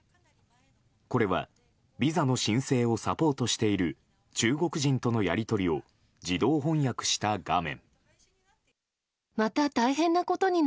これはビザの申請をサポートしている中国人とのやり取りを自動翻訳した画面。